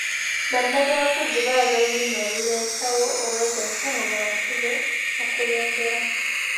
Bannabyabufuzi baagala Olulimi oluleetawo obwegassi mu bantu be bakulembera.